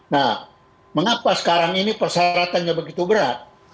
nah mengapa sekarang ini persyaratannya begitu berat